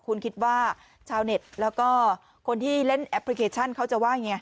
คุณคิดว่าชาวเน็ตแล้วก็คนที่เล่นแอปพลิเคชันเขาจะว่ายังไง